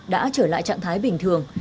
đã trở lại trạng thái bình thường